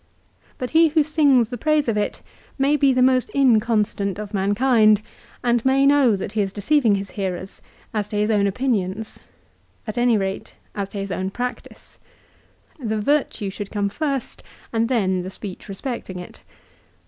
But he who sings the praise of it may be the most inconstant of mankind and may know that he is deceiving his hearers, as to his own opinions, at any rate as to his own practice. The virtue should come first, and then the speech respecting it.